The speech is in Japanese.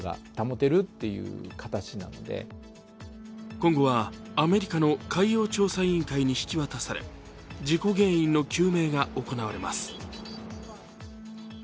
今後はアメリカの海洋調査委員会に引き渡され事故原因の究明が行われます。